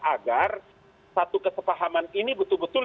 agar satu kesepahaman ini betul betul